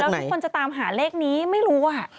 ทุกคนจะตามหาเลขนี้ไม่รู้